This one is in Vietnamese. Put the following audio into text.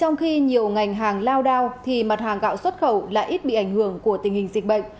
trong khi nhiều ngành hàng lao đao thì mặt hàng gạo xuất khẩu lại ít bị ảnh hưởng của tình hình dịch bệnh